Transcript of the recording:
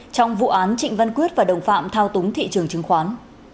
trong vụ án trịnh văn quyết và đồng phạm thao túng thị trường chứng khoán